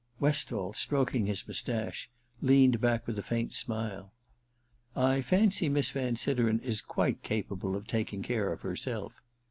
' Westall, stroking his mustache, leaned back with a faint smile. ' I fancy Miss Van Sideren is quite capable of taking care of herself.'